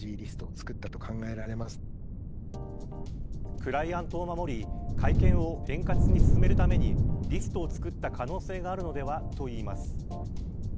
クライアントを守り会見を円滑に進めるためにリストを作った可能性があるのでは、と言います。